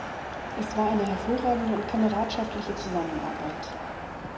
Es war eine hervorragende und kameradschaftliche Zusammenarbeit.